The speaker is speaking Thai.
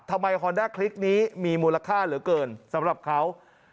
ฮอนด้าคลิกนี้มีมูลค่าเหลือเกินสำหรับเขา